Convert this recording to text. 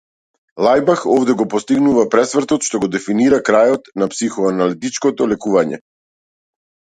Лајбах овде го постигнува пресвртот што го дефинира крајот на психоаналитичкото лекување.